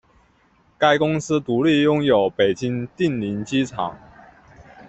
该公司独立拥有北京定陵机场。